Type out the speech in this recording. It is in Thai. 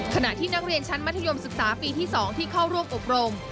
ขณะที่นักเรียนชั้นมัธยมศึกษาปีที่๒ที่เข้าร่วมอบรม